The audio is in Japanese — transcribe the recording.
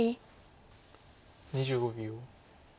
２５秒。